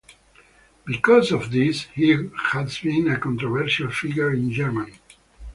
Because of this, he has been a controversial figure in Germany.